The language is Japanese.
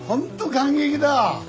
感激だあ！